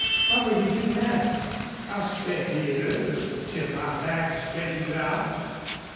What will you do now?" "I'll stay here till my back straightens out....